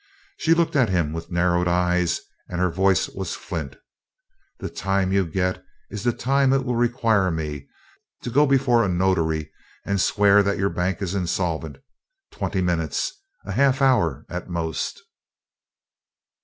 She looked at him with narrowed eyes and her voice was flint: "The time you'll get is the time it will require for me to go before a notary and swear that your bank is insolvent twenty minutes a half hour at most."